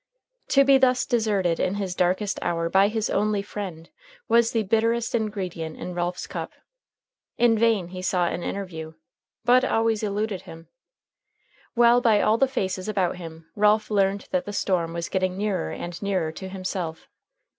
To be thus deserted in his darkest hour by his only friend was the bitterest ingredient in Ralph's cup. In vain he sought an interview. Bud always eluded him. While by all the faces about him Ralph learned that the storm was getting nearer and nearer to himself.